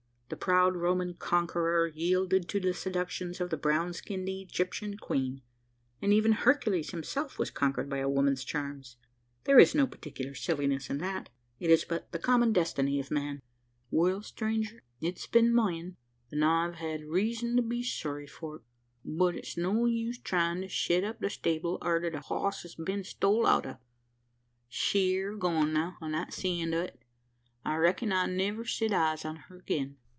The proud Roman conqueror yielded to the seductions of the brown skinned Egyptian queen; and even Hercules himself was conquered by a woman's charms. There is no particular silliness in that. It is but the common destiny of man." "Well, stranger, it's been myen; an' I've hed reezun to be sorry for it. But it's no use tryin' to shet up the stable arter the hoss's been stole out o't. She are gone now; an' that's the end o' it. I reckon I'll niver set eyes on her agin."